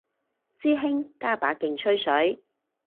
師兄加把勁吹水